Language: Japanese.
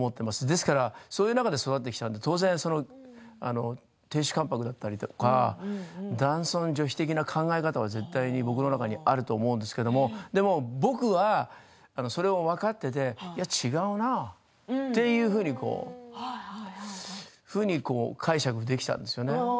ですからそういう中で育ってきたので当然、亭主関白だったりとか男尊女卑的な考え方は絶対、僕の中にあると思うんですけれどでも僕はそれを分かっていていや、違うなっていうふうにそういうふうに解釈できたんですよね。